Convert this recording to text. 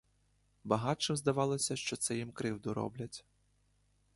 Багатшим здавалося, що це їм кривду роблять.